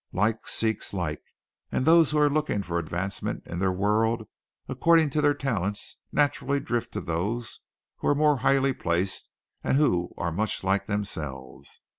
Like seeks like and those who are looking for advancement in their world according to their talents naturally drift to those who are more highly placed and who are much like themselves.